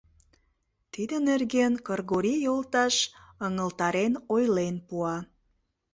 Тиде нерген Кыргорий йолташ ыҥылтарен ойлен пуа.